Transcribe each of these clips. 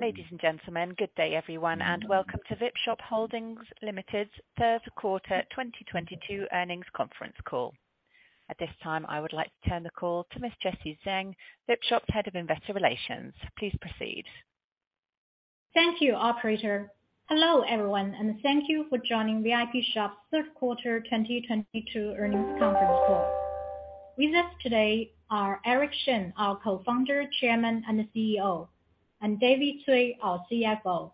Ladies and gentlemen, good day everyone, and welcome to Vipshop Holdings Limited's third quarter 2022 earnings conference call. At this time, I would like to turn the call to Miss Jessie Zheng, Vipshop's Head of Investor Relations. Please proceed. Thank you, operator. Hello, everyone, and thank you for joining Vipshop's third quarter 2022 earnings conference call. With us today are Eric Shen, our Co-founder, Chairman, and CEO, and David Cui, our CFO.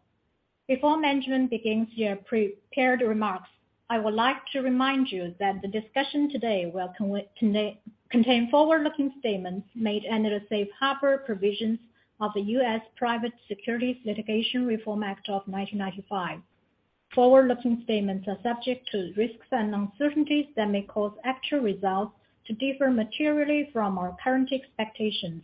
Before management begins their prepared remarks, I would like to remind you that the discussion today will contain forward-looking statements made under the safe harbor provisions of the U.S. Private Securities Litigation Reform Act of 1995. Forward-looking statements are subject to risks and uncertainties that may cause actual results to differ materially from our current expectations.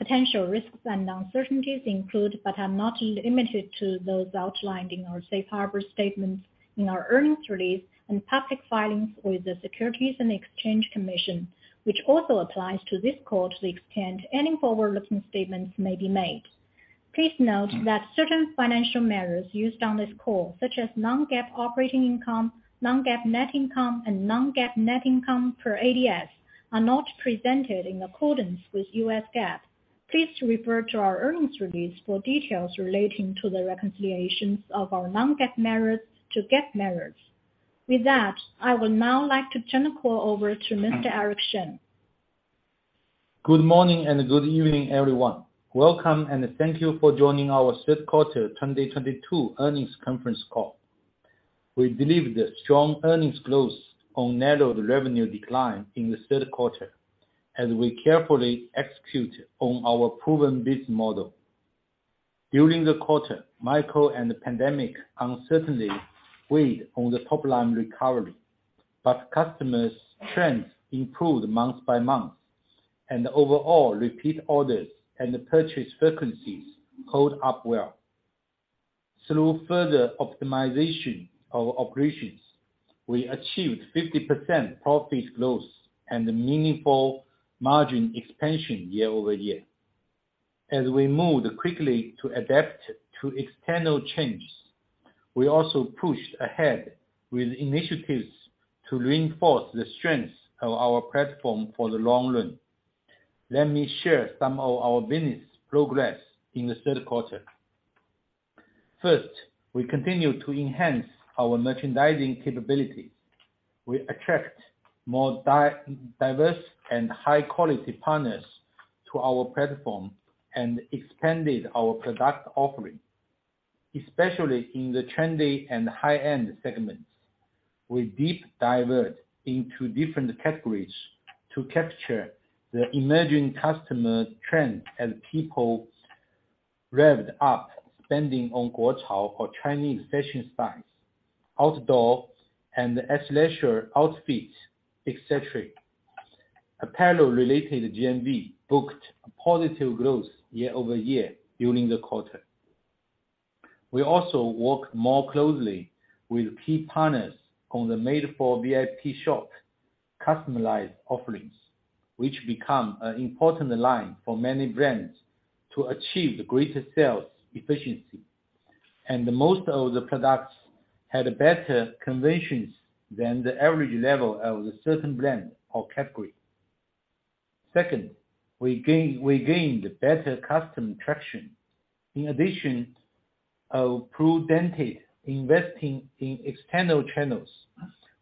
Potential risks and uncertainties include, but are not limited to those outlined in our safe harbor statements in our earnings release and public filings with the Securities and Exchange Commission, which also applies to this call to the extent any forward-looking statements may be made. Please note that certain financial measures used on this call, such as non-GAAP operating income, non-GAAP net income, and non-GAAP net income per ADS, are not presented in accordance with U.S. GAAP. Please refer to our earnings release for details relating to the reconciliations of our non-GAAP measures to GAAP measures. With that, I would now like to turn the call over to Mr. Eric Shen. Good morning and good evening, everyone. Welcome and thank you for joining our third quarter 2022 earnings conference call. We delivered a strong earnings growth on narrowed revenue decline in the third quarter as we carefully executed on our proven business model. During the quarter, micro and pandemic uncertainty weighed on the top-line recovery, customers' trends improved month by month, overall repeat orders and purchase frequencies hold up well. Through further optimization of operations, we achieved 50% profit growth and meaningful margin expansion year-over-year. As we moved quickly to adapt to external changes, we also pushed ahead with initiatives to reinforce the strength of our platform for the long run. Let me share some of our business progress in the third quarter. First, we continue to enhance our merchandising capabilities. We attract more diverse and high-quality partners to our platform and expanded our product offering, especially in the trendy and high-end segments. We deep divert into different categories to capture the emerging customer trend as people revved up spending on Guochao or Chinese fashion styles, outdoor and athleisure outfits, et cetera. Apparel related GMV booked a positive growth year-over-year during the quarter. We also work more closely with key partners on the Made for Vipshop customized offerings, which become an important line for many brands to achieve the greatest sales efficiency. Most of the products had better conversions than the average level of a certain brand or category. Second, we gained better customer traction. In addition of prudently investing in external channels,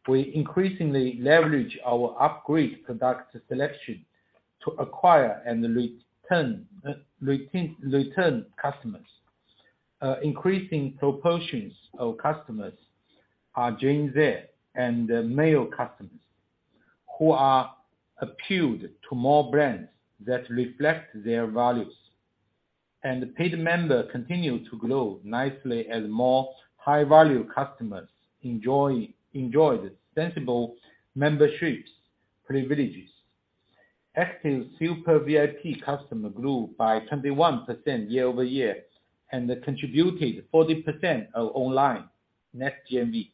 we increasingly leverage our upgrade product selection to acquire and return customers. Increasing proportions of customers are Gen Z and male customers who are appealed to more brands that reflect their values. Paid member continue to grow nicely as more high-value customers enjoy the sensible memberships privileges. Active Super VIP customer grew by 21% year-over-year and contributed 40% of online net GMV.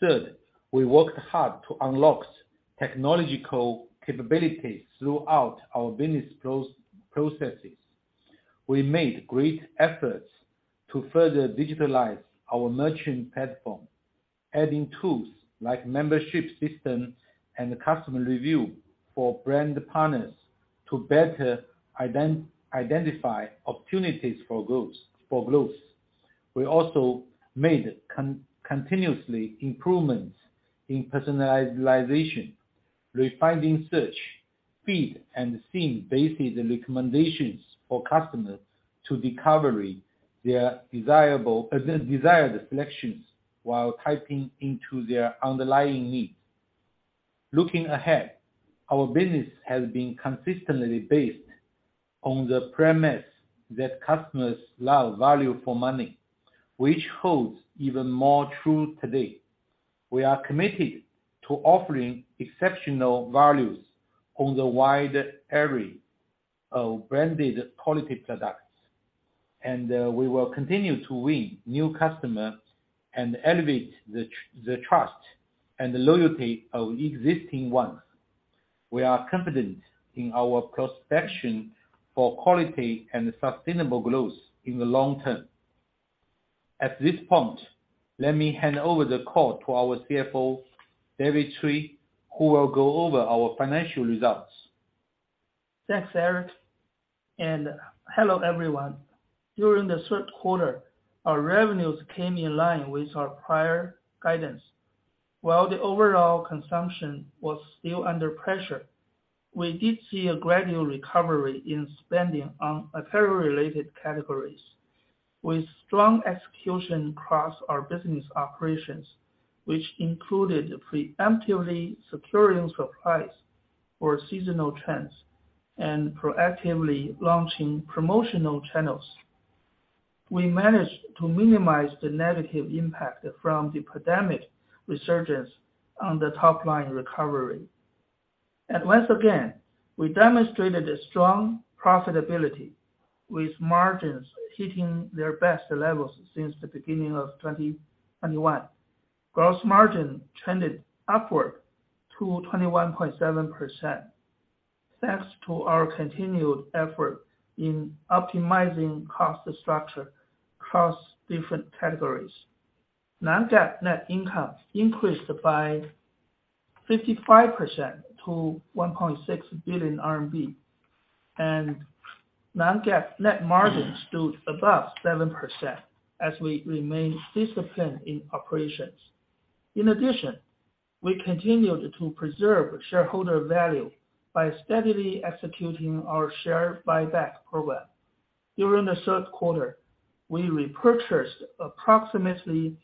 Third, we worked hard to unlock technological capabilities throughout our business processes. We made great efforts to further digitalize our merchant platform, adding tools like membership system and customer review for brand partners to better identify opportunities for growth. We also made continuously improvements in personalization, refining search, feed, and scene-based recommendations for customers to discovery their desired selections while typing into their underlying needs. Looking ahead, our business has been consistently based on the premise that customers love value for money, which holds even more true today. We are committed to offering exceptional values on the wide array of branded quality products, and we will continue to win new customers and elevate the trust and the loyalty of existing ones. We are confident in our prospection for quality and sustainable growth in the long term. At this point, let me hand over the call to our CFO, David Cui, who will go over our financial results. Thanks, Eric. Hello, everyone. During the third quarter, our revenues came in line with our prior guidance. While the overall consumption was still under pressure, we did see a gradual recovery in spending on apparel-related categories. With strong execution across our business operations, which included preemptively securing supplies for seasonal trends and proactively launching promotional channels, we managed to minimize the negative impact from the pandemic resurgence on the top-line recovery. Once again, we demonstrated a strong profitability with margins hitting their best levels since the beginning of 2021. Gross margin trended upward to 21.7%. Thanks to our continued effort in optimizing cost structure across different categories. Non-GAAP net income increased by 55% to 1.6 billion RMB. Non-GAAP net margin stood above 7% as we remain disciplined in operations. In addition, we continued to preserve shareholder value by steadily executing our share buyback program. During the third quarter, we repurchased approximately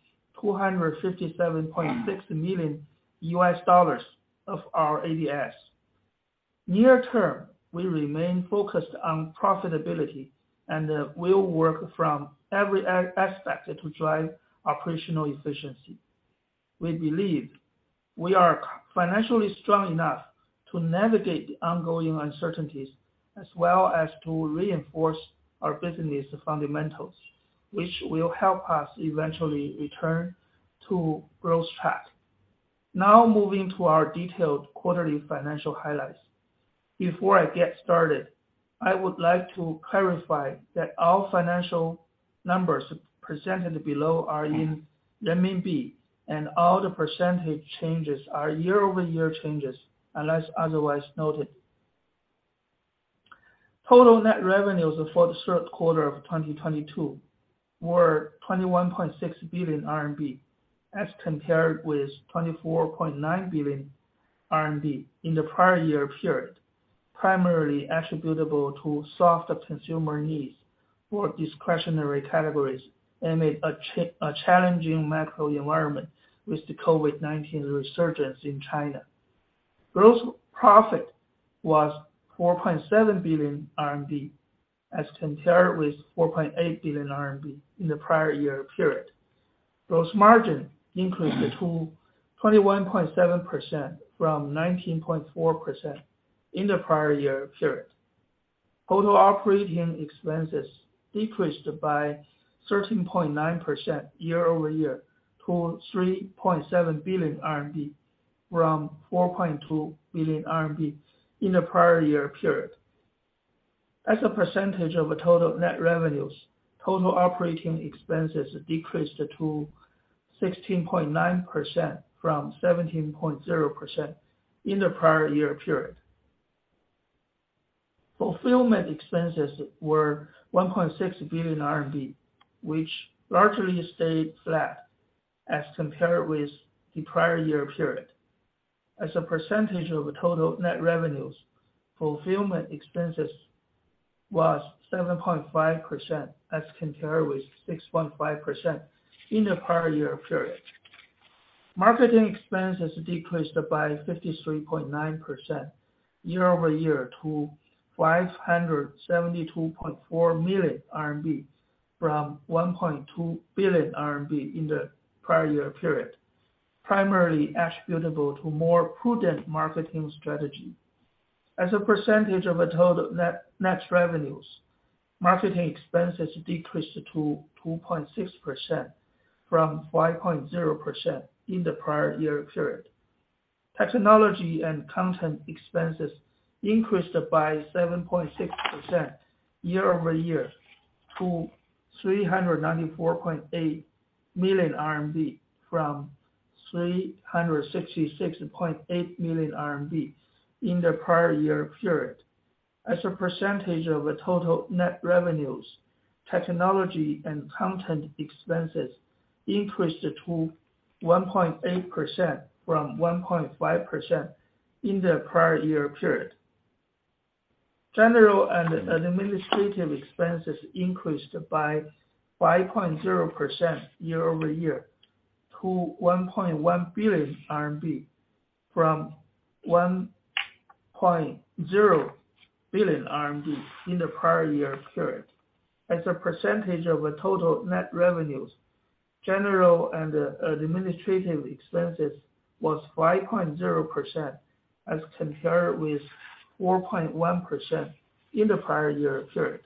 $257.6 million of our ADSs. Near term, we remain focused on profitability and we'll work from every aspect to drive operational efficiency. We believe we are financially strong enough to navigate the ongoing uncertainties as well as to reinforce our business fundamentals, which will help us eventually return to growth track. Now moving to our detailed quarterly financial highlights. Before I get started, I would like to clarify that all financial numbers presented below are in RMB, and all the percentage changes are year-over-year changes unless otherwise noted. Total net revenues for the third quarter of 2022 were 21.6 billion RMB as compared with 24.9 billion RMB in the prior year period, primarily attributable to soft consumer needs for discretionary categories amid a challenging macro environment with the COVID-19 resurgence in China. Gross profit was 4.7 billion RMB as compared with 4.8 billion RMB in the prior year period. Gross margin increased to 21.7% from 19.4% in the prior year period. Total operating expenses decreased by 13.9% year-over-year to 3.7 billion RMB from 4.2 billion RMB in the prior year period. As a percentage of total net revenues, total operating expenses decreased to 16.9% from 17.0% in the prior year period. Fulfillment expenses were 1.6 billion RMB, which largely stayed flat as compared with the prior year period. As a percentage of total net revenues, fulfillment expenses was 7.5% as compared with 6.5% in the prior year period. Marketing expenses decreased by 53.9% year-over-year to 572.4 million RMB from 1.2 billion RMB in the prior year period, primarily attributable to more prudent marketing strategy. As a percentage of total net revenues, marketing expenses decreased to 2.6% from 5.0% in the prior year period. Technology and content expenses increased by 7.6% year-over-year to 394.8 million RMB from 366.8 million RMB in the prior year period. As a percentage of total net revenues, technology and content expenses increased to 1.8% from 1.5% in the prior year period. General and administrative expenses increased by 5.0% year-over-year to 1.1 billion RMB from 1.0 billion RMB in the prior year period. As a percentage of total net revenues, general and administrative expenses was 5.0% as compared with 4.1% in the prior year period.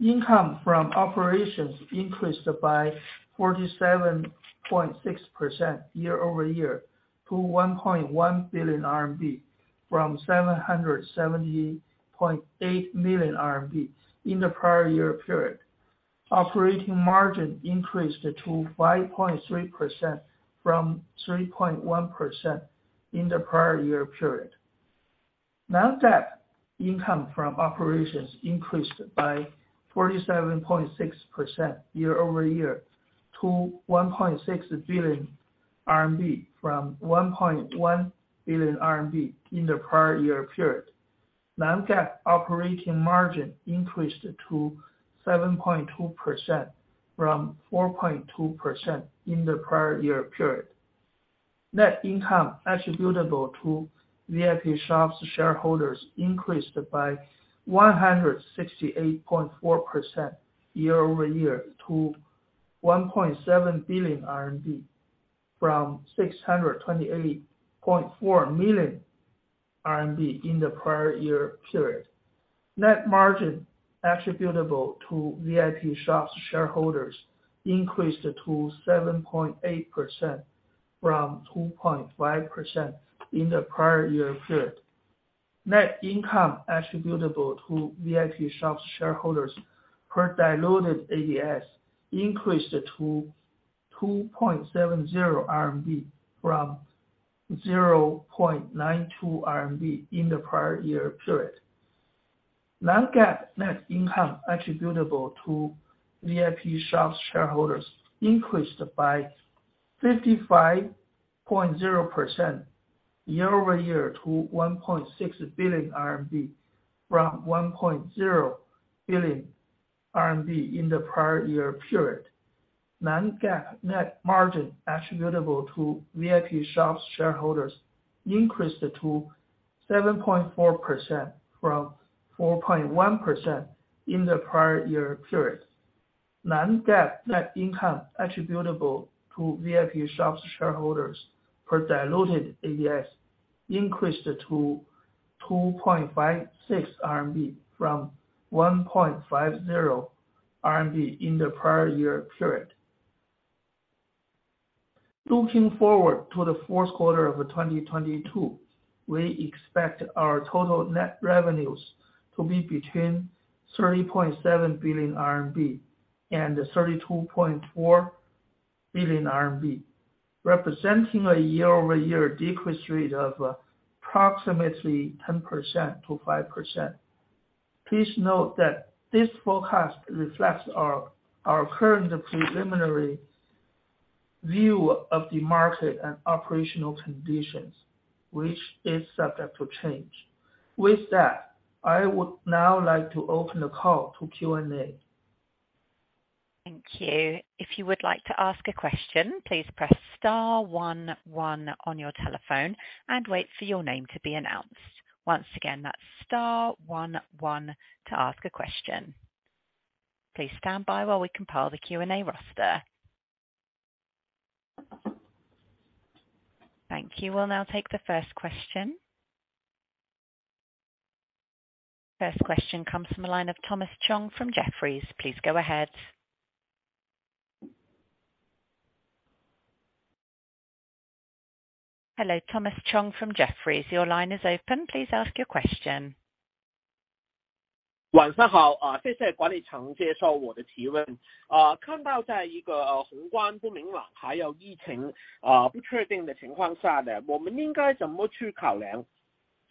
Income from operations increased by 47.6% year-over-year to 1.1 billion RMB from 770.8 million RMB in the prior year period. Operating margin increased to 5.3% from 3.1% in the prior year period. Non-GAAP income from operations increased by 47.6% year-over-year to 1.6 billion RMB from 1.1 billion RMB in the prior year period. Non-GAAP operating margin increased to 7.2% from 4.2% in the prior year period. Net income attributable to Vipshop's shareholders increased by 168.4% year-over-year to 1.7 billion RMB from 628.4 million RMB in the prior year period. Net margin attributable to Vipshop's shareholders increased to 7.8% from 2.5% in the prior year period. Net income attributable to Vipshop's shareholders per diluted ADS increased to 2.70 RMB from 0.92 in the prior year period. Non-GAAP net income attributable to Vipshop's shareholders increased by 55.0% year-over-year to 1.6 billion RMB from RMB 1.0 billion in the prior year period. Non-GAAP net margin attributable to Vipshop's shareholders increased to 7.4% from 4.1% in the prior year period. Non-GAAP net income attributable to Vipshop's shareholders per diluted ADS increased to RMB 2.56 from RMB 1.50 in the prior year period. Looking forward to the fourth quarter of 2022, we expect our total net revenues to be between 30.7 billion RMB and 32.4 billion RMB, representing a year-over-year decrease rate of approximately 10%-5%. Please note that this forecast reflects our current preliminary view of the market and operational conditions, which is subject to change. With that, I would now like to open the call to Q&A. Thank you. If you would like to ask a question, please press star one one on your telephone and wait for your name to be announced. Once again, that's star one one to ask a question. Please stand by while we compile the Q&A roster. Thank you. We'll now take the first question. First question comes from a line of Thomas Chong from Jefferies. Please go ahead. Hello, Thomas Chong from Jefferies. Your line is open. Please ask your question. 晚上 好， 呃， 谢谢管理层接受我的提问。呃， 看到在一 个， 呃， 宏观不明 朗， 还有疫 情， 呃， 不确定的情况下 的， 我们应该怎么去考 量，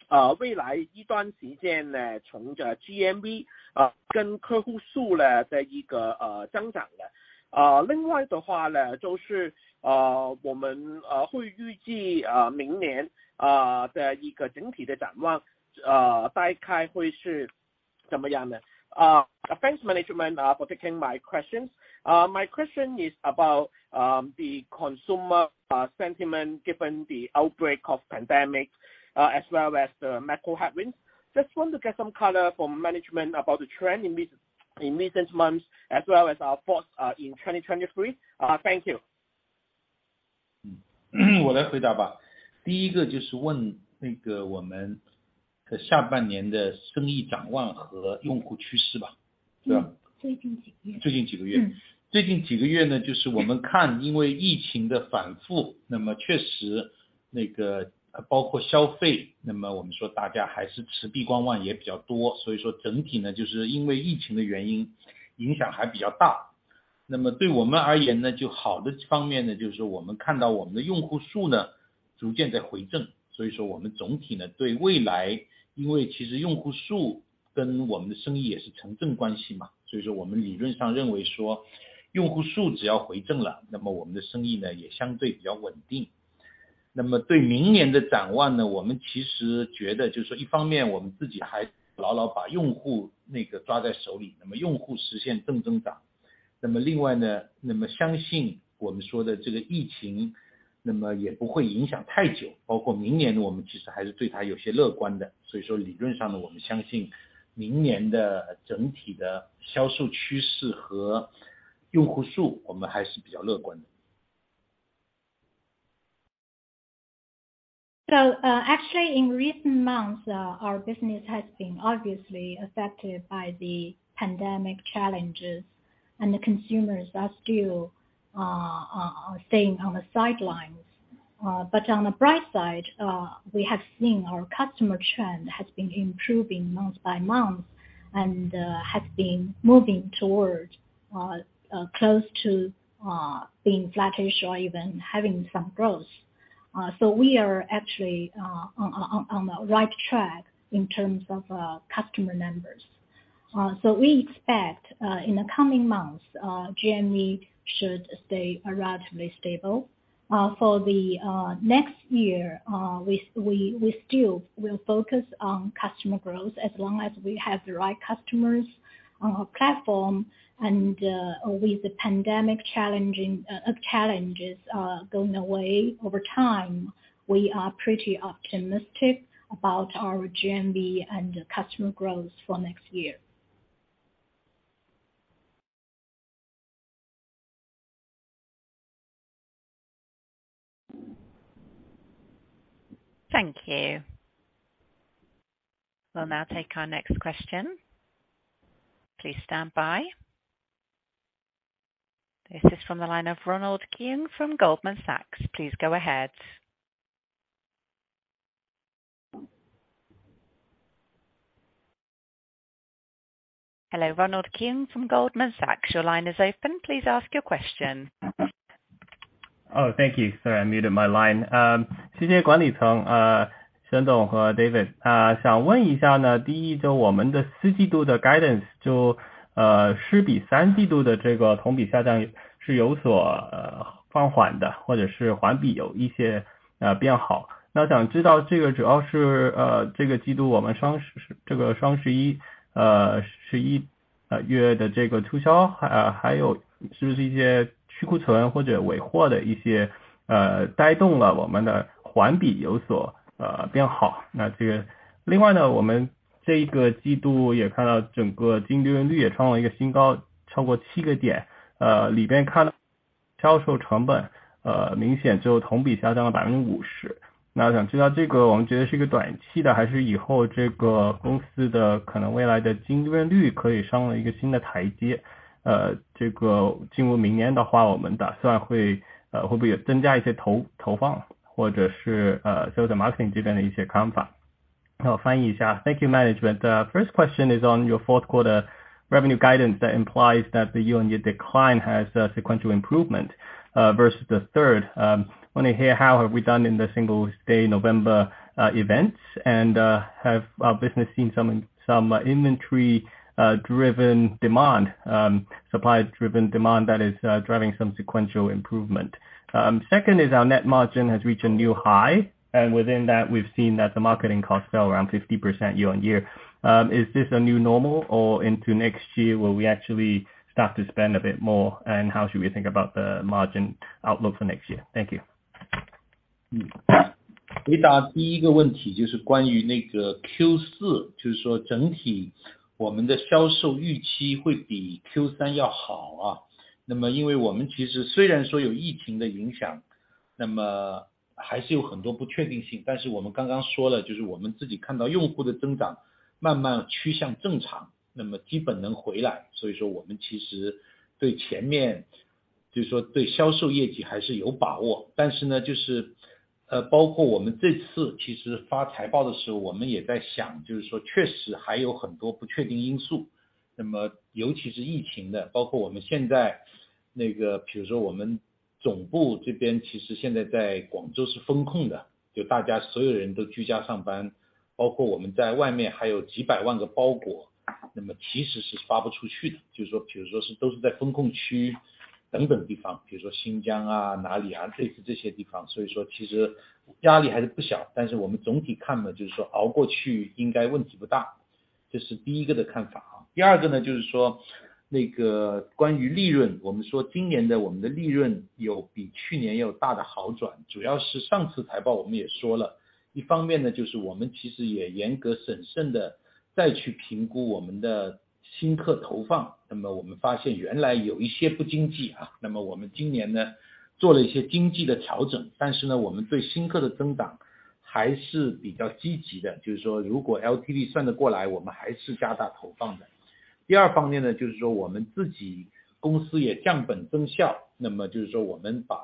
呃， 未来一段时间 呢， 从这 GMV， 呃， 跟客户数 呢， 的一 个， 呃， 增长呢？ 呃， 另外的话 呢， 就 是， 呃， 我 们， 呃会预 计， 呃， 明 年， 呃， 的一个整体的展 望， 呃， 大概会是怎么样的 ？Uh, thanks management, uh, for taking my questions. My question is about the consumer sentiment given the outbreak of pandemic as well as the macro headwinds. Just want to get some color from management about the trend in this, in recent months as well as thoughts in 2023. Thank you. 我来回答吧。第一个就是问那个我们的下半年的生意展望和用户趋势 吧， 是 吧？ 最近几个 月. 最近几个月。嗯。最近几个月 呢， 就是我们 看， 因为疫情的反 复， 确实那个包括消 费， 那么我们说大家还是持悲观望也比较多。整体 呢， 就是因为疫情的原 因， 影响还比较大。对我们而言 呢， 就好的方面 呢， 就是我们看到我们的用户数 呢， 逐渐在回正。我们总体呢对未 来， 因为其实用户数跟我们的生意也是呈正关系 嘛， 所以说我们理论上认为说用户数只要回正 了， 那么我们的生意 呢， 也相对比较稳定。对明年的展望 呢， 我们其实觉得就是说一方面我们自己还牢牢把用户那个抓在手 里， 那么用户实现正增长。另外 呢， 相信我们说的这个疫 情， 那么也不会影响太 久， 包括明年我们其实还是对它有些乐观的。理论上 呢， 我们相信明年的整体的销售趋势和用户 数， 我们还是比较乐观的。Actually, in recent months, our business has been obviously affected by the pandemic challenges, and the consumers are still staying on the sidelines. But on the bright side, we have seen our customer trend has been improving month by month, and has been moving towards close to being flat issue, even having some growth. We are actually on the right track in terms of customer numbers. We expect in the coming months, GMV should stay relatively stable. For the next year, we still will focus on customer growth as long as we have the right customers on our platform. With the pandemic challenges going away over time, we are pretty optimistic about our GMV and customer growth for next year. Thank you. We'll now take our next question. Please stand by. This is from the line of Ronald Keung from Goldman Sachs. Please go ahead. Hello, Ronald Keung from Goldman Sachs. Your line is open. Please ask your question. Oh, thank you. Sorry, I muted my line. David, 想问一下 呢, 第一就我们的 Q4 的 guidance 就是比 Q3 的这个同比下降是有所放缓 的, 或者是环比有一些变 好. 想知道这个主要是这个季度我们这个 Singles' Day, 11月的这个促 销, 还有是不是一些去库存或者尾货的一些带动了我们的环比有所变 好. 另外 呢, 我们这一个季度也看到整个净利润率也创了一个新 高, 超过 7%, 里边看到销售成本明显就同比下降了 50%. 想知道这个我们觉得是一个短期的还是以后这个公司的可能未来的净利润率可以上了一个新的台 阶, 这个进入明年的 话, 我们打算会不会也增加一些投 放, 或者是销售 marketing 这边的一些看 法. 我翻译一 下. Thank you management. The first question is on your fourth quarter revenue guidance that implies that the year-over-year decline has a sequential improvement versus the third. Want to hear how have we done in the Singles' Day November events and have our business seen some inventory driven demand, supply driven demand that is driving some sequential improvement. Second is our net margin has reached a new high and within that we've seen that the marketing costs fell around 50% year-over-year. Is this a new normal or into next year, will we actually start to spend a bit more? How should we think about the margin outlook for next year? Thank you. 回答第一个问题就是关于那个 Q4， 就是说整体我们的销售预期会比 Q3 要好 啊， 那么因为我们其实虽然说有疫情的影 响， 那么还是有很多不确定 性， 但是我们刚刚说 了， 就是我们自己看到用户的增长慢慢趋向正 常， 那么基本能回来。所以说我们其实对前 面， 就是说对销售业绩还是有把 握， 但是呢就 是， 呃， 包括我们这次其实发财报的时 候， 我们也在 想， 就是说确实还有很多不确定因 素， 那么尤其是疫情 的， 包括我们现在那 个， 比如说我们总部这 边， 其实现在在广州是封控 的， 就大家所有人都居家上 班， 包括我们在外面还有几百万个包 裹. 那么其实是发不出去 的， 就是说比如说是都是在封控区等等地 方， 比如说新疆 啊， 哪里 啊， 类似这些地方。所以说其实压力还是不 小， 但是我们总体看 呢， 就是说熬过去应该问题不 大， 这是第一个的看法。第二个 呢， 就是说那个关于利 润， 我们说今年的我们的利润有比去年有大的好 转， 主要是上次财报我们也说 了， 一方面 呢， 就是我们其实也严格审慎地再去评估我们的新客投 放， 那么我们发现原来有一些不经济 啊， 那么我们今年呢做了一些经济的调 整， 但是呢我们对新客的增长还是比较积极 的， 就是说如果 LTV 算得过 来， 我们还是加大投放 的. 第二方面 呢， 就是说我们自己公司也降本增 效， 那么就是说我们 把，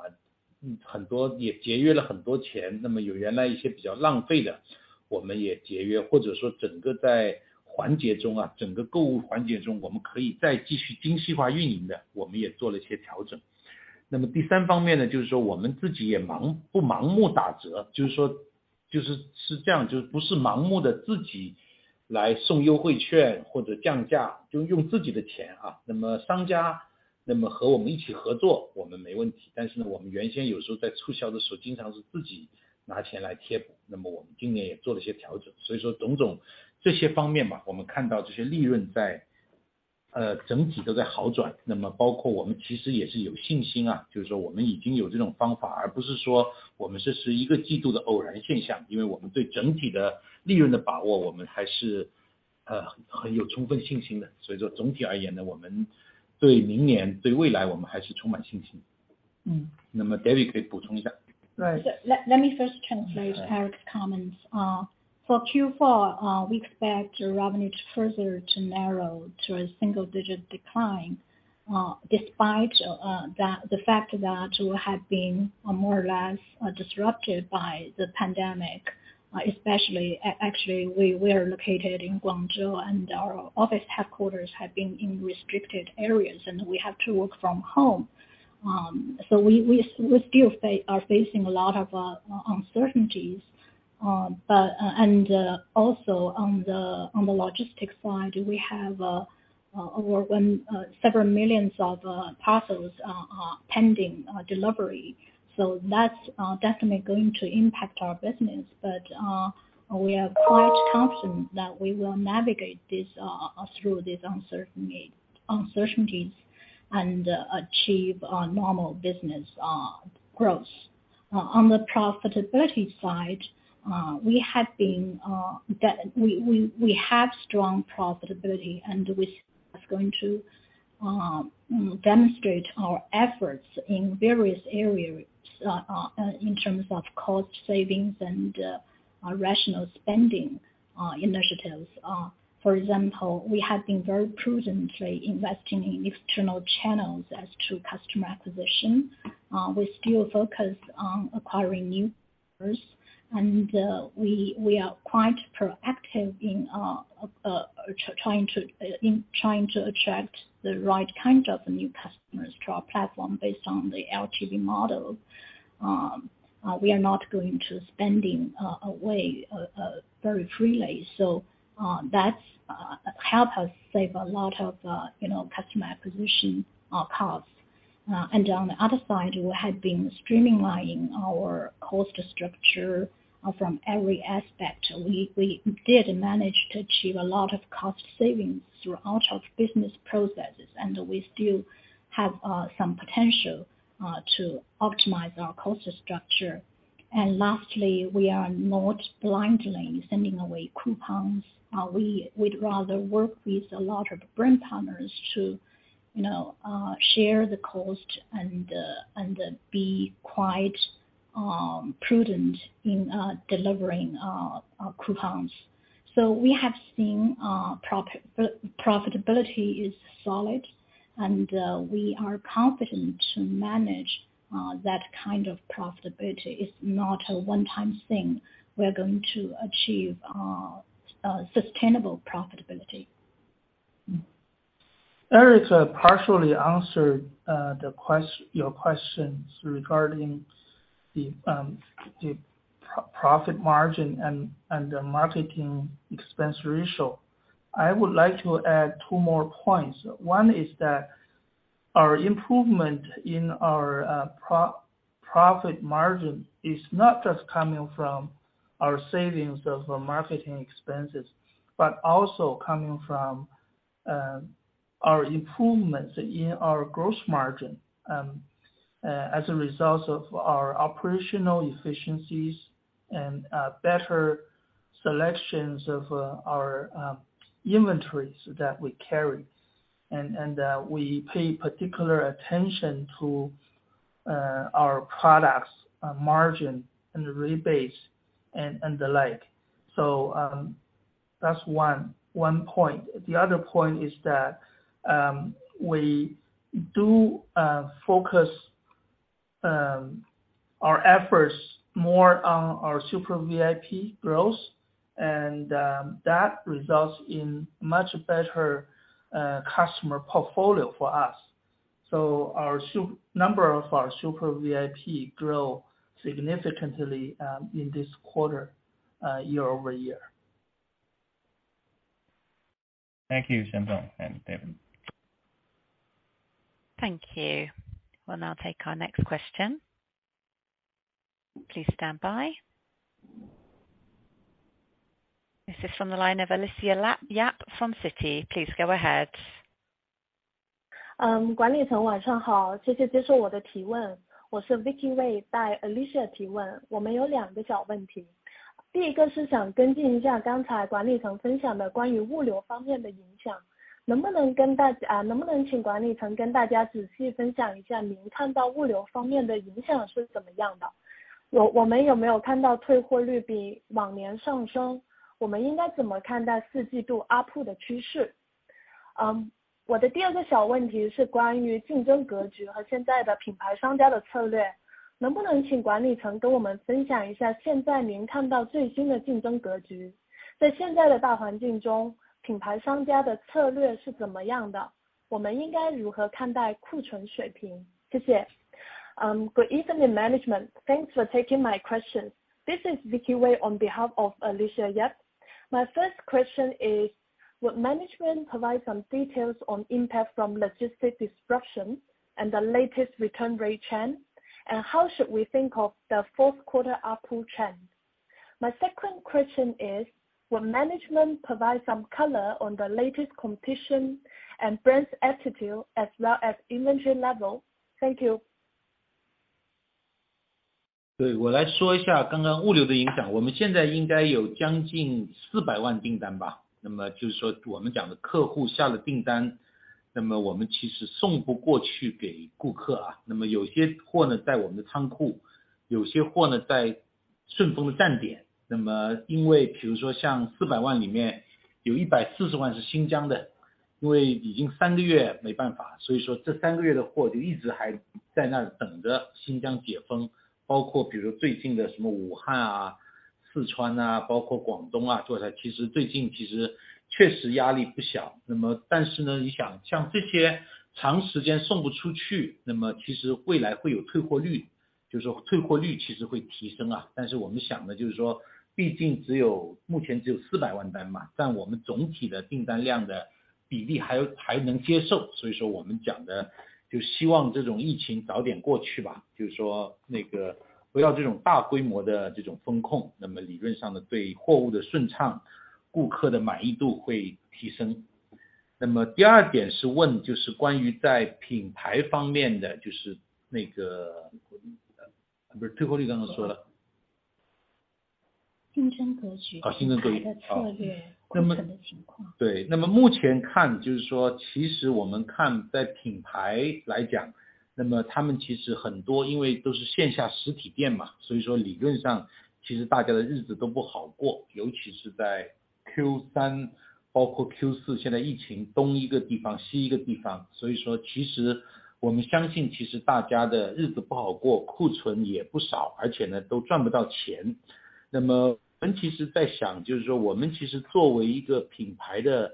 嗯， 很多也节约了很多 钱， 那么有原来一些比较浪费的我们也节 约， 或者说整个在环节中 啊， 整个购物环节 中， 我们可以再继续精细化运营 的， 我们也做了一些调整。那么第三方面 呢， 就是说我们自己也 忙， 不盲目打 折， 就是说就是是这 样， 就不是盲目地自己来送优惠券或者降 价， 就用自己的钱 啊， 那么商家那么和我们一起合 作， 我们没问题。但是呢我们原先有时候在促销的时 候， 经常是自己拿钱来贴 补， 那么我们今年也做了一些调 整， 所以说种种这些方面 吧， 我们看到这些利润在， 呃， 整体都在好 转， 那么包括我们其实也是有信心 啊， 就是说我们已经有这种方 法， 而不是说我们这是一个季度的偶然现 象， 因为我们对整体的利润的把 握， 我们还是很有充分信心的。总体而言 呢， 我们对明 年， 对未来我们还是充满信心。David 可以补充一 下. Right. Let me first translate Eric's comments. For Q4, we expect revenue to further to narrow to a single digit decline, despite the fact that we have been more or less disrupted by the pandemic, especially actually we were located in Guangzhou and our office headquarters have been in restricted areas and we have to work from home. We still are facing a lot of uncertainties. Also on the logistics side, we have over several millions of parcels pending delivery. That's definitely going to impact our business. We are quite confident that we will navigate this through these uncertainties and achieve a normal business growth. On the profitability side, we have been, we have strong profitability and we is going to demonstrate our efforts in various areas, in terms of cost savings and rational spending initiatives. For example, we have been very prudently investing in external channels as to customer acquisition. We still focus on acquiring new users and we are quite proactive in trying to attract the right kind of new customers to our platform based on the LTV model. We are not going to spending away very freely. That's help us save a lot of, you know, customer acquisition costs. On the other side, we have been streamlining our cost structure from every aspect. We did manage to achieve a lot of cost savings throughout of business processes, and we still have some potential to optimize our cost structure. Lastly, we are not blindly sending away coupons. We would rather work with a lot of brand partners to, you know, share the cost and be quite prudent in delivering coupons. We have seen profitability is solid, and we are confident to manage that kind of profitability. It's not a one time thing. We are going to achieve sustainable profitability. Eric partially answered your questions regarding the pro-profit margin and the marketing expense ratio. I would like to add two more points. One is that our improvement in our pro-profit margin is not just coming from our savings of marketing expenses, but also coming from our improvements in our gross margin as a result of our operational efficiencies and better selections of our inventories that we carry and we pay particular attention to our products margin and rebates and the like. That's one point. The other point is that we do focus our efforts more on our Super VIP growth and that results in much better customer portfolio for us. Our number of our Super VIP grow significantly in this quarter, year-over-year. Thank you, Shen Dong and David. Thank you. We'll now take our next question. Please stand by. This is from the line of Alicia Yap from Citi. Please go ahead. 管理层晚上好。谢谢接受我的提问。我是 Vicky Wei 代 Alicia 提问。我们有2个小问题。第1个是想跟进一下刚才管理层分享的关于物流方面的影 响， 能不能请管理层跟大家仔细分享一下您看到物流方面的影响是怎么样 的？ 我们有没有看到退货率比往年上 升？ 我们应该怎么看待 Q4 ARPU 的趋 势？ 我的第2个小问题是关于竞争格局和现在的品牌商家的策略。能不能请管理层跟我们分享一下现在您看到最新的竞争格局。在现在的大环境中，品牌商家的策略是怎么样 的？ 我们应该如何看待库存水 平？ 谢谢。Good evening management. Thanks for taking my question. This is Vicky Wei on behalf of Alicia Yap. My first question is, will management provide some details on impact from logistic disruption and the latest return rate trend? How should we think of the fourth quarter ARPU trend? My second question is, will management provide some color on the latest competition and brand's attitude as well as inventory level? Thank you. 我来说一下刚刚物流的影 响， 我们现在应该有将近4 million 订单吧。就是说我们讲的客户下了订 单， 我们其实送不过去给顾客啊。有些货 呢， 在我们的仓 库， 有些货 呢， 在顺丰的站点。因为比如说像4 million 里面有 1.4 million 是新疆 的， 因为已经3个月没办 法， 这3个月的货就一直还在那儿等着新疆解 封， 包括比如最近的什么武汉 啊， 四川 啊， 包括广东 啊， 其实最近其实确实压力不小。但是 呢， 你想像这些长时间送不出 去， 其实未来会有退货 率， 就是说退货率其实会提升啊。但是我们想的就是说毕竟只有目前只有4 million 单 嘛， 但我们总体的订单量的比例还有还能接受。我们讲的就希望这种疫情早点过去 吧， 就是说那个不要这种大规模的这种封 控， 理论上 呢， 对货物的顺 畅， 顾客的满意度会提升。第二点是问就是关于在品牌方面 的， 就是那个不 是， 退货率刚刚说了。竞争格 局. 竞争格 局. 品牌的策 略. 那么-过程的情 况. 对， 那么目前看就是说其实我们看在品牌来 讲， 那么他们其实很 多， 因为都是线下实体店 嘛， 所以说理论上其实大家的日子都不好 过， 尤其是在 Q 三包括 Q 四， 现在疫情东一个地 方， 西一个地方。所以说其实我们相信其实大家的日子不好 过， 库存也不 少， 而且 呢， 都赚不到钱。那么我们其实在 想， 就是说我们其实作为一个品牌的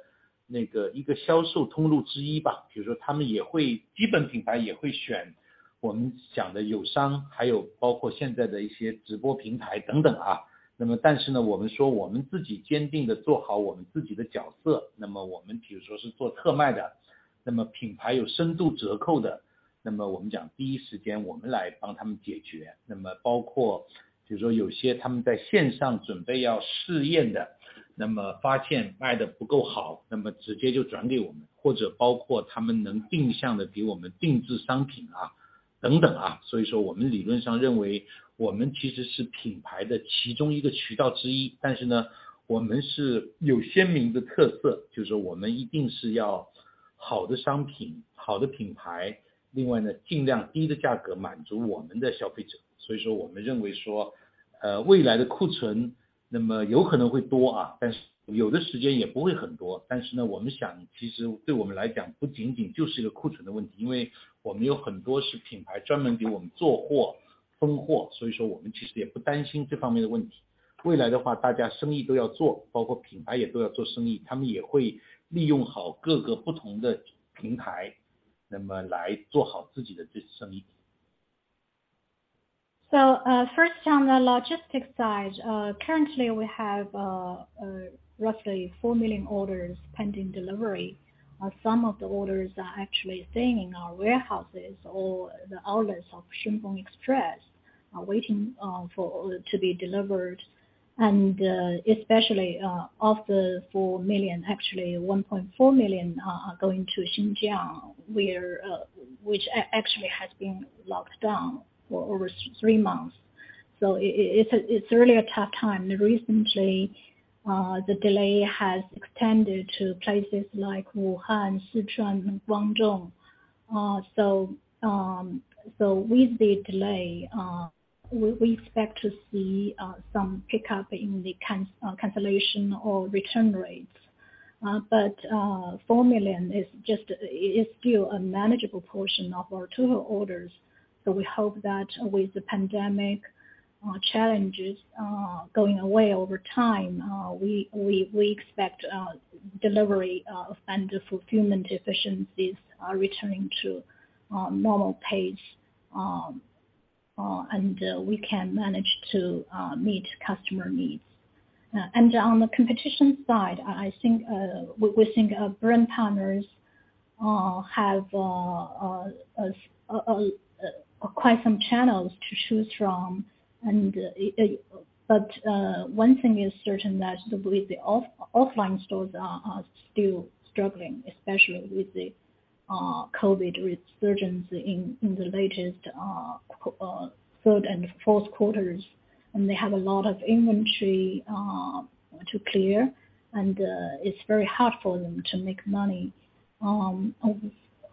那个一个销售通路之一 吧， 比如说他们也会基本品牌也会选我们讲的友 商， 还有包括现在的一些直播平台等等啊。那么但是 呢， 我们说我们自己坚定地做好我们自己的角 色， 那么我们比如说是做特卖 的， 那么品牌有深度折扣 的， 那么我们讲第一时间我们来帮他们解决。那么包括比如说有些他们在线上准备要试验 的， 那么发现卖得不够 好， 那么直接就转给我 们， 或者包括他们能定向地给我们定制商品啊等等啊。所以说我们理论上认为我们其实是品牌的其中一个渠道之 一， 但是 呢， 我们是有鲜明的特 色， 就是我们一定是要好的商 品， 好的品 牌， 另外 呢， 尽量低的价格满足我们的消费者。所以说我们认为说 呃， 未来的库存那么有可能会多 啊， 但是有的时间也不会很多。但是 呢， 我们想其实对我们来讲不仅仅就是一个库存的问 题， 因为我们有很多是品牌专门给我们做 货， 分 货， 所以说我们其实也不担心这方面的问题。未来的话大家生意都要 做， 包括品牌也都要做生 意， 他们也会利用好各个不同的平 台， 那么来做好自己的这生意。First on the logistics side, currently we have roughly four million orders pending delivery. Some of the orders are actually staying in our warehouses or the outlets of SF Express are waiting for the to be delivered. Especially of the four million, actually 1.4 million are going to Xinjiang where which actually has been locked down for over three months. It's, it's really a tough time. Recently, the delay has extended to places like Wuhan, Sichuan, Guangdong. With the delay, we expect to see some pickup in the cancellation or return rates. But four million is just is still a manageable portion of our total orders. We hope that with the pandemic challenges going away over time, we expect delivery and fulfillment efficiencies are returning to normal pace. We can manage to meet customer needs. On the competition side, I think we think our brand partners have quite some channels to choose from. One thing is certain that with the off-offline stores are still struggling, especially with the COVID resurgence in the latest third and fourth quarters, and they have a lot of inventory to clear, and it's very hard for them to make money.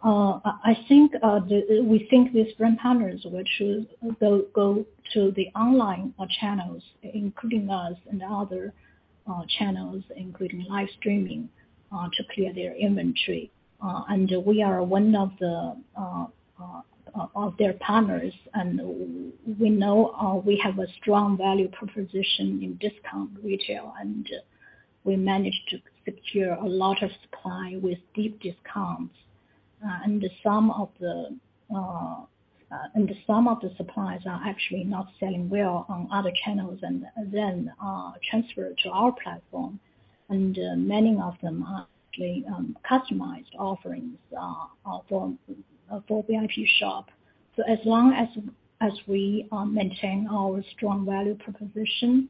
I think the we think these brand partners will choose go to the online channels, including us and other channels, including live streaming to clear their inventory. We are one of the of their partners. We know we have a strong value proposition in discount retail, and we managed to secure a lot of supply with deep discounts. Some of the supplies are actually not selling well on other channels and then are transferred to our platform. Many of them are the customized offerings are from for Vipshop. As long as we maintain our strong value proposition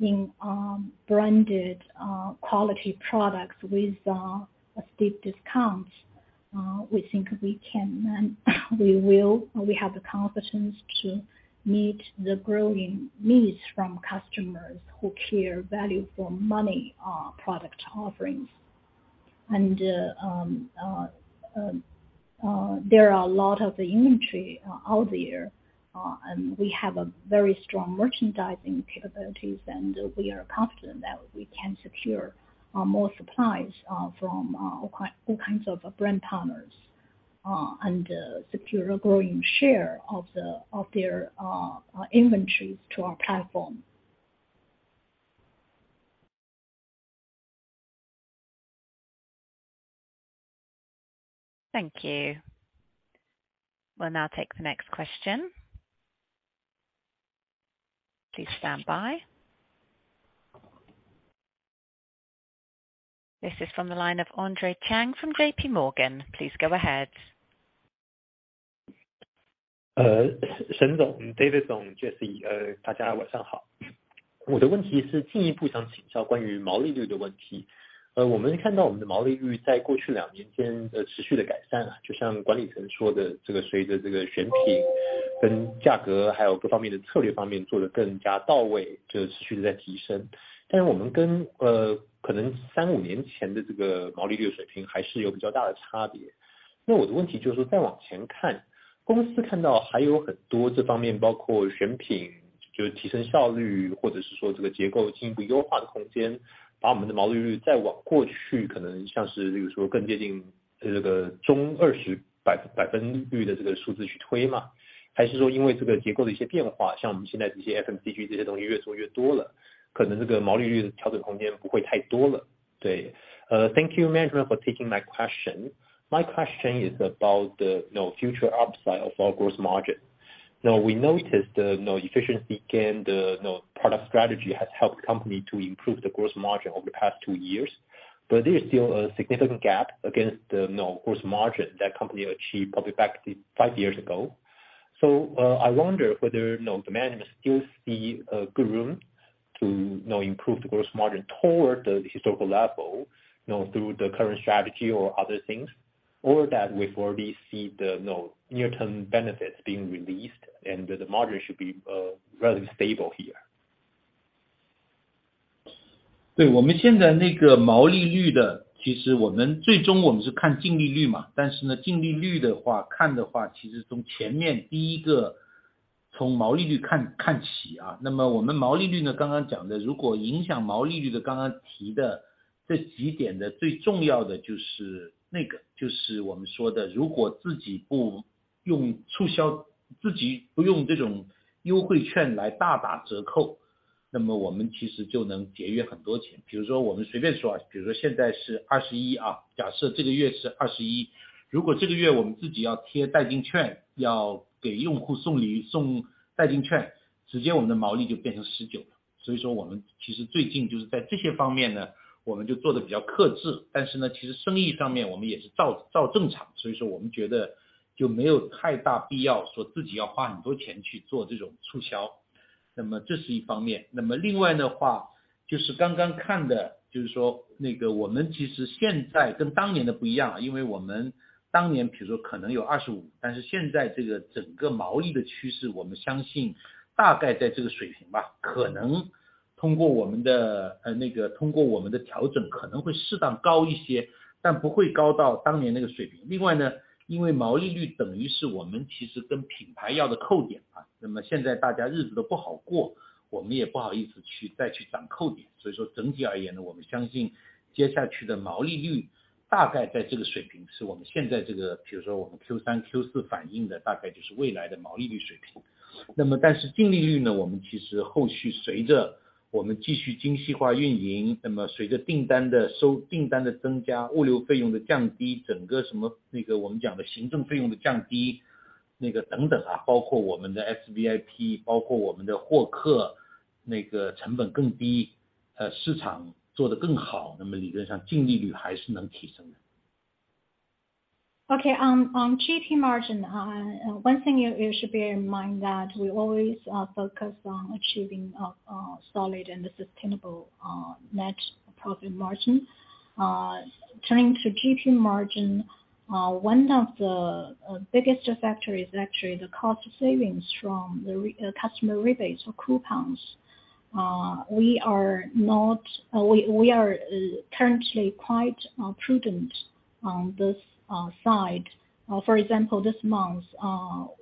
in branded quality products with steep discounts. We think we can and we will. We have the competence to meet the growing needs from customers who care value for money, product offerings. There are a lot of inventory out there, and we have a very strong merchandising capabilities, and we are confident that we can secure more supplies from all kinds of brand partners, and secure a growing share of the, of their, inventories to our platform. Thank you. We'll now take the next question. Please stand by. This is from the line of Andre Chang from JPMorgan. Please go ahead. Shen Dong, David Dong, Jessie. Thank you, management, for taking my question. My question is about the, you know, future upside of our gross margin. Now, we noticed the, you know, efficiency gain, the, you know, product strategy has helped the company to improve the gross margin over the past two years. But there's still a significant gap against the, you know, gross margin that company achieved probably back five years ago. I wonder whether, you know, the management still see a good room to, you know, improve the gross margin toward the historical level, you know, through the current strategy or other things. That we've already see the, you know, near-term benefits being released and that the margin should be, rather stable here. 对， 我们现在那个毛利率 的， 其实我们最终我们是看净利率 嘛， 但是 呢， 净利率的 话， 看的 话， 其实从前面第一个从毛利率 看， 看起 啊， 那么我们毛利率 呢， 刚刚讲 的， 如果影响毛利率 的， 刚刚提的这几点 的， 最重要的就是那 个， 就是我们说 的， 如果自己不用促 销， 自己不用这种优惠券来大打折 扣， 那么我们其实就能节约很多钱。比如说我们随便说 啊， 比如说现在是二十一 啊， 假设这个月是二十 一， 如果这个月我们自己要贴代金 券， 要给用户送 礼， 送代金 券， 直接我们的毛利就变成十九了。所以说我们其实最近就是在这些方面 呢， 我们就做得比较克 制， 但是 呢， 其实生意上面我们也是 照， 照正 常， 所以说我们觉得就没有太大必要说自己要花很多钱去做这种促 销， 那么这是一方面。那么另外的话就是刚刚看 的， 就是说那个我们其实现在跟当年的不一 样， 因为我们当年比如说可能有二十 五， 但是现在这个整个毛利的趋 势， 我们相信大概在这个水平 吧， 可能通过我们 的， 呃， 那个通过我们的调 整， 可能会适当高一 些， 但不会高到当年那个水平。另外 呢， 因为毛利率等于是我们其实跟品牌要的扣点 啊， 那么现在大家日子都不好 过， 我们也不好意思去再去讲扣点。所以说整体而言 呢， 我们相信接下去的毛利率大概在这个水 平， 是我们现在这 个， 比如说我们 Q 三、Q 四反映的大概就是未来的毛利率水平。那么但是净利率 呢， 我们其实后续随着我们继续精细化运 营， 那么随着订单的收--订单的增 加， 物流费用的降 低， 整个什 么， 那个我们讲的行政费用的降 低， 那个等等 啊， 包括我们的 SVIP， 包括我们的货 客， 那个成本更 低， 呃， 市场做得更 好， 那么理论上净利率还是能提升的。Okay. On GP margin, one thing you should bear in mind that we always focus on achieving a solid and a sustainable net profit margin. Turning to GP margin, one of the biggest factor is actually the cost savings from the customer rebates or coupons. We are not, we are currently quite prudent on this side. For example, this month,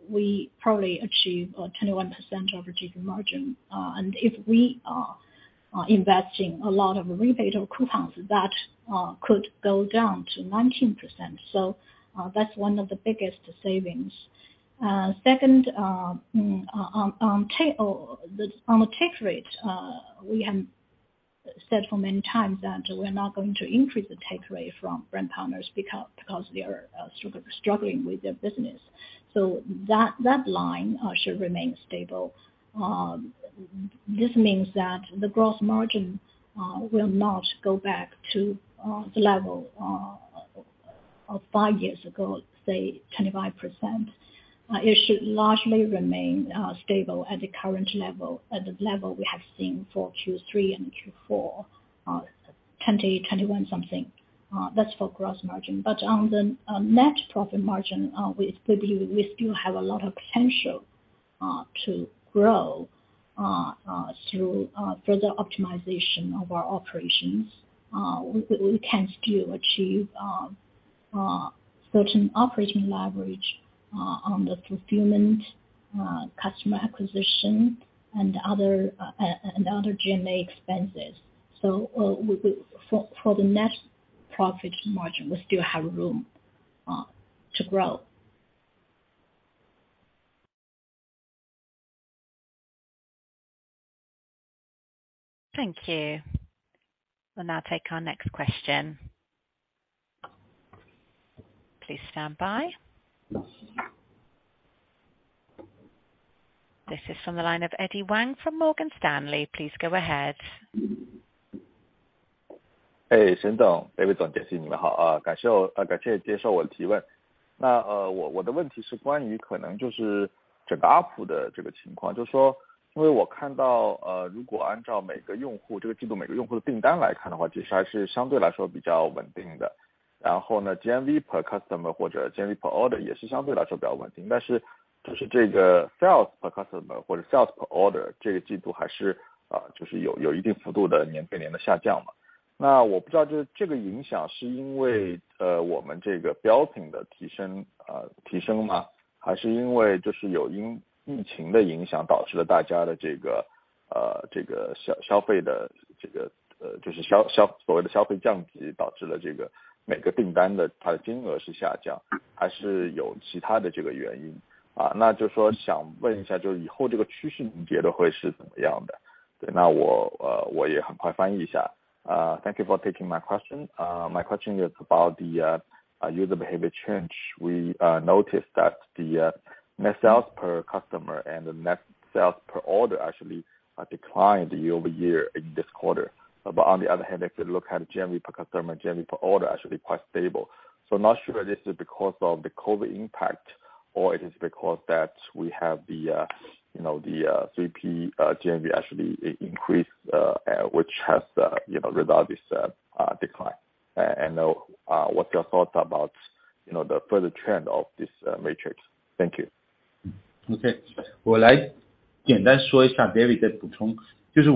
we probably achieve 21% of GP margin. And if we are investing a lot of rebate or coupons that could go down to 19%. That's one of the biggest savings. Second, on the take rate, we have said for many times that we're not going to increase the take rate from brand partners because they are struggling with their business. That line should remain stable. This means that the gross margin will not go back to the level of five years ago, say 25%. It should largely remain stable at the current level, at the level we have seen for Q3 and Q4, 20%-21% something, that's for gross margin. On the net profit margin, we still have a lot of potential to grow through further optimization of our operations. We can still achieve certain operating leverage on the fulfillment, customer acquisition and other G&A expenses. For the net profit margin, we still have room to grow. Thank you. We'll now take our next question. Please stand by. This is from the line of Eddy Wang from Morgan Stanley. Please go ahead. Hey, Shen Dong, David Dong, thank you, thank you accepting my question. My question is about maybe just the overall situation, which is because I see, if we look at each user, the orders for each user this quarter, it's still relatively stable. GMV per customer or GMV per order is also relatively stable. This net sales per customer or sales per order this quarter is still, you know, a certain degree of year-on-year decline. I don't know if this is because of the promotion we did or because of the impact of the epidemic, which led to everyone's consumption, this so-called downgrade in consumption, which led to the decline in the amount of each order, or is there some other reason? I just want to ask what you think the trend will be in the future. Yeah. I'll also translate it quickly. Thank you for taking my question. My question is about the user behavior change. We noticed that the net sales per customer and the net sales per order actually declined year-over-year in this quarter. On the other hand, if you look at GMV per customer, GMV per order are actually quite stable. I'm not sure this is because of the COVID impact or it is because that we have the, you know, the 3P GMV actually increased, which has, you know, result this decline. What are your thoughts about, you know, the further trend of this matrix? Thank you. Okay. 我来简单说一 下, David 再补 充.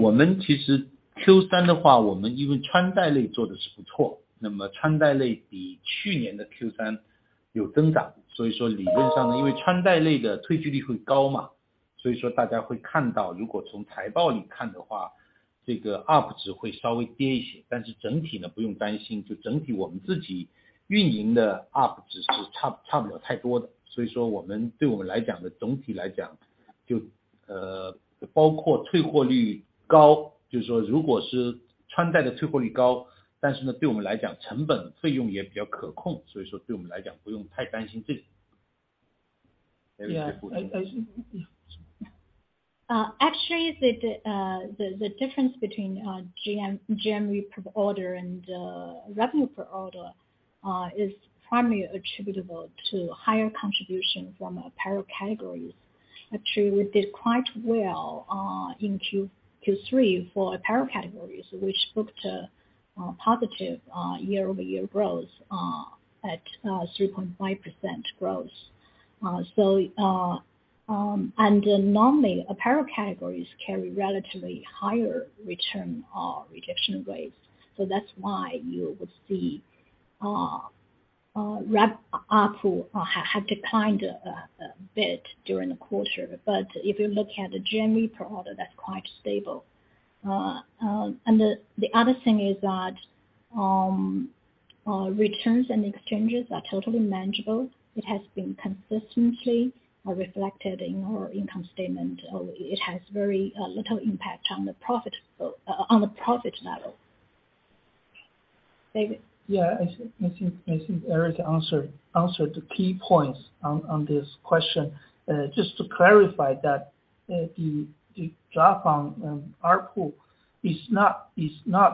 我们其实 Q3 的 话, 我们因为穿戴类做的是不 错, 那么穿戴类比去年的 Q3 有增 长. 理论上 呢, 因为穿戴类的退货率会高 嘛, 大家会看 到, 如果从财报里看的 话, 这个 UP 值会稍微跌一 些. 整体呢不用担 心, 整体我们自己运营的 UP 值差不了太多 的. 我 们, 对我们来讲 呢, 总体来讲 就, 包括退货率 高, 就是说如果是穿戴的退货率 高, 对我们来讲成本费用也比较可 控, 对我们来讲不用太担心这 种. Yeah. David 再补 充. Actually the difference between GMV per order and revenue per order is primarily attributable to higher contribution from apparel categories. Actually, we did quite well in Q3 for apparel categories, which booked a positive year-over-year growth at 3.5% growth. Normally apparel categories carry relatively higher return rejection rates. That's why you would see ARPU had declined a bit during the quarter. If you look at the GMV per order, that's quite stable. The other thing is that returns and exchanges are totally manageable. It has been consistently reflected in our income statement, it has very little impact on the profit, on the profit level. David. Yeah. I think Eric answered the key points on this question. Just to clarify that the drop on ARPU is not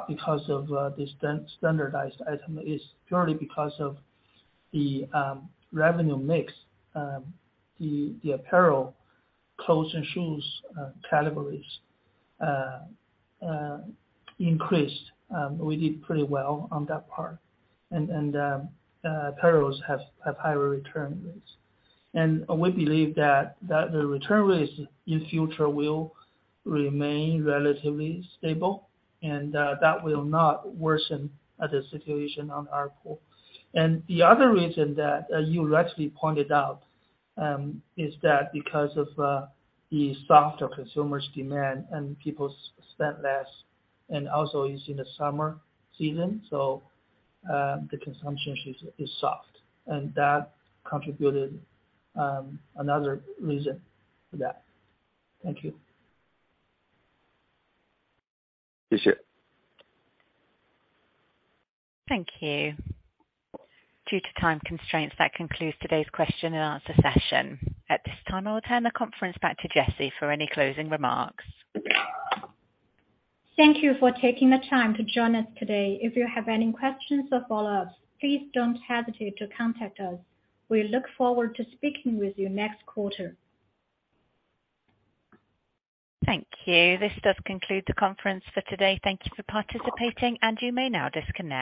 because of the standardized item. It's purely because of the revenue mix. The apparel, clothes and shoes categories increased. We did pretty well on that part. Apparels have higher return rates. We believe that the return rates in future will remain relatively stable and that will not worsen the situation on ARPU. The other reason that you rightly pointed out is that because of the softer consumers demand and people spend less, and also it's in the summer season, so the consumption is soft. That contributed another reason for that. Thank you. 谢 谢. Thank you. Due to time constraints, that concludes today's question and answer session. At this time, I will turn the conference back to Jessie for any closing remarks. Thank you for taking the time to join us today. If you have any questions or follow ups, please don't hesitate to contact us. We look forward to speaking with you next quarter. Thank you. This does conclude the conference for today. Thank you for participating, and you may now disconnect.